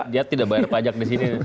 dia tidak membayar pajak disini